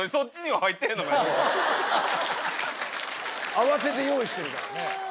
慌てて用意してるからね。